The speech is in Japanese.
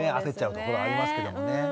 焦っちゃうところありますけどもね。